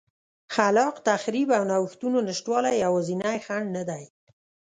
خلاق تخریب او نوښتونو نشتوالی یوازینی خنډ نه دی.